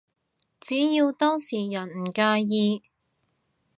只要當事人唔介意